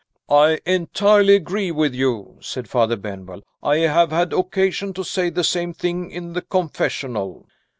"I entirely agree with you," said Father Benwell; "I have had occasion to say the same thing in the confessional."